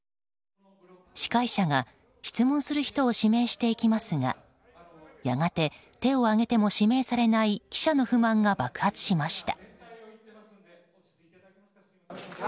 司会者が質問する人を指名していきますがやがて手を挙げても指名されない記者の不満が爆発しました。